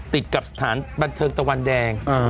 ติดกับสถานบันเทิงตะวันแดง